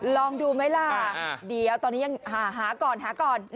ลองดูไหมล่ะเดี๋ยวตอนนี้ยังหาก่อนหาก่อน